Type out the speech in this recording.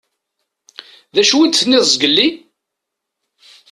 Dacu i d-tenniḍ zgelli?